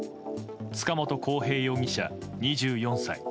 塚本晃平容疑者、２４歳。